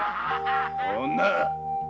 女！